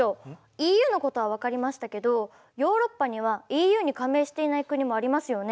ＥＵのことは分かりましたけどヨーロッパにはＥＵに加盟していない国もありますよね？